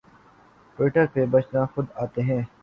Twitter پر بچے خود آتے ہیں